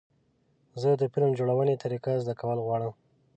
زه د فلم جوړونې طریقه زده کول غواړم.